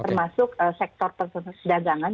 termasuk sektor perusahaan